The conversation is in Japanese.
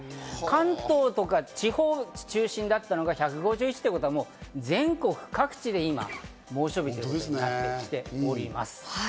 関東とか地方中心だったのが１５１ということは全国各地で今、猛暑日に達しております。